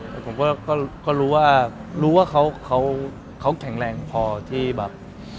ผมก็รู้ว่าเขาแข็งแรงพอที่แบบ